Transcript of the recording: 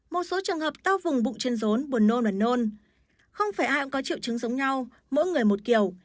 một số trường hợp đau vùng bụng trên rốn buồn nôn nôn không phải ai cũng có triệu chứng giống nhau mỗi người một kiểu